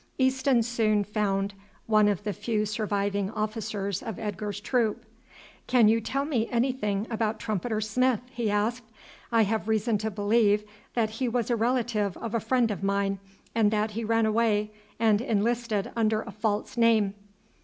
Easton soon found one of the few surviving officers of Edgar's troop. "Can you tell me anything about Trumpeter Smith?" he asked. "I have reason to believe that he was a relative of a friend of mine, and that he ran away and enlisted under a false name."